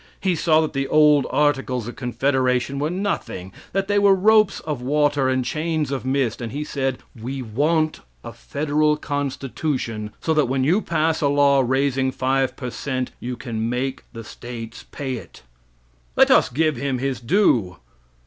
He saw that the old articles of confederation were nothing; that they were ropes of water and chains of mist, and he said, "We want a federal constitution so that when you pass a law raising 5 percent you can make the states pay it." Let us give him his due.